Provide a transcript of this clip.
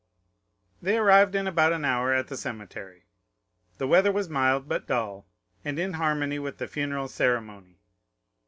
They arrived in about an hour at the cemetery; the weather was mild, but dull, and in harmony with the funeral ceremony.